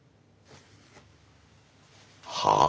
はあ？